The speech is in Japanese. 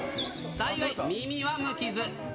幸い、耳は無傷。